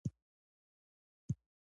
کاکړ د ولس د خیر لپاره کار کوي.